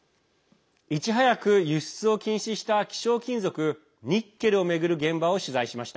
いち早く輸出を禁止した希少金属・ニッケルを巡る現場を取材しました。